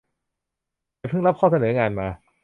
ฉันพึ่งรับข้อเสนองานมา